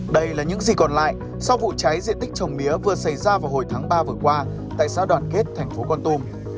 đây là những gì còn lại sau vụ cháy diện tích trồng mía vừa xảy ra vào hồi tháng ba vừa qua tại xã đoàn kết thành phố con tum